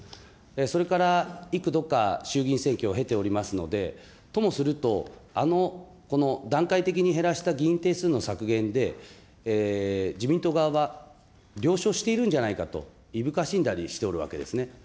それから幾度か衆議院選挙を経ておりますので、ともすると、あの、この段階的に減らした議員定数の削減で、自民党側は了承しているんじゃないかといぶかしんだりしておるわけですね。